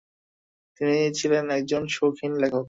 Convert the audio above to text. তিনি ছিলেন একজন শৌখিন লেখক।